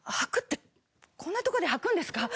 こんなとこで吐くんですか？